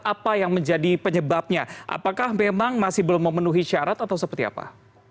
apa yang menjadi penyebabnya apakah memang masih belum memenuhi syarat atau seperti apa